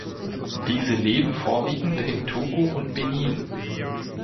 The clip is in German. Diese leben vorwiegend in Togo und Benin.